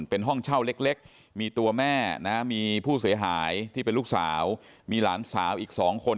เป็นห้องเช่าเล็กมีตัวแม่นะมีผู้เสียหายที่เป็นลูกสาวมีหลานสาวอีก๒คน